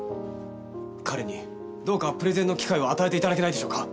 彼にどうかプレゼンの機会を与えて頂けないでしょうか。